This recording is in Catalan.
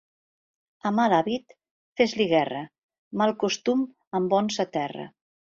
A mal hàbit, fes-li guerra, mal costum amb bons s'aterra.